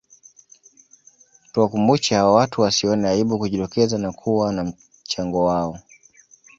Tuwakumbushe hawa watu wasione aibu kujitokeza na kuwa na mchango wao